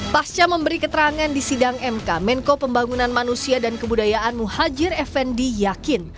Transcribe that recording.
pasca memberi keterangan di sidang mk menko pembangunan manusia dan kebudayaan muhajir effendi yakin